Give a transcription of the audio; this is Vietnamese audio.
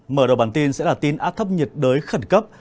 mở đầu bản tin sẽ là tin áp thấp nhiệt đới khẩn cấp